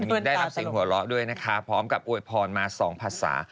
ได้รับเสียงหัวเราะด้วยนะคะพร้อมกับอวยพรมาสองภาษา